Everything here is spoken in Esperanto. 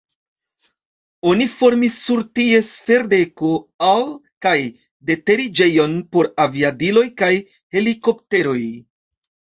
Oni formis sur ties ferdeko al- kaj de-teriĝejon por aviadiloj kaj helikopteroj.